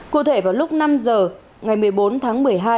cụ thể vào lúc năm giờ ngày một mươi bốn tháng một mươi hai